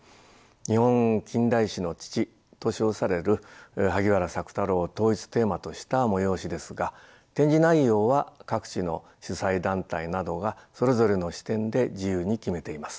日本近代詩の父と称される萩原朔太郎を統一テーマとした催しですが展示内容は各地の主催団体などがそれぞれの視点で自由に決めています。